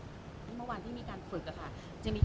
คุณบีเรียกครับ